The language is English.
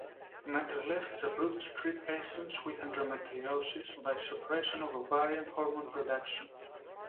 Metrelef is approved to treat patients with endometriosis by suppression of ovarian hormone production.